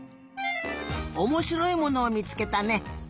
おもしろいものをみつけたね。